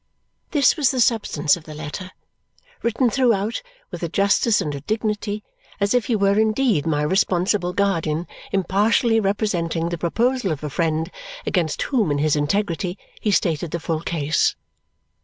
This was the substance of the letter, written throughout with a justice and a dignity as if he were indeed my responsible guardian impartially representing the proposal of a friend against whom in his integrity he stated the full case.